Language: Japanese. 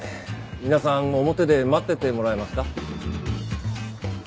皆さん表で待っててもらえますか？